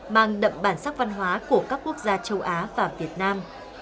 mang đậm bản sắc văn hóa của các quốc gia châu á và việt nam